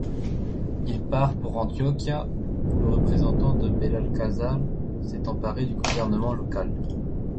Il part pour Antioquia, où le représentant de Belalcázar s'est emparé du gouvernement local.